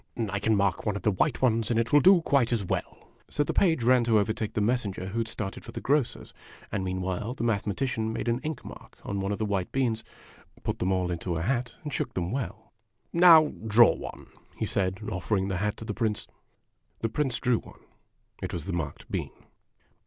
" I can mark one of the white ones, and it will do quite as well." So the page ran to overtake the messenger who had started for the grocer's and meanwhile the Mathematician made an ink mark on one of the white beans, put them all into a hat, and shook them well. " Now draw one," he said, offering the hat to the Prince. The Prince drew one. It was the marked bean.